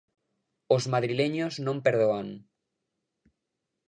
Os madrileños non perdoan.